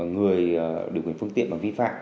người được quyền phương tiện vi phạm